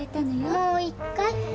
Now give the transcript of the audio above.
もう一回。